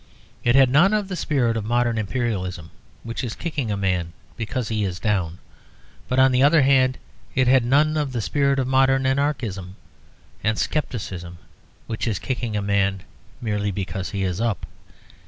It had none of the spirit of modern Imperialism which is kicking a man because he is down. But, on the other hand, it had none of the spirit of modern Anarchism and scepticism which is kicking a man merely because he is up.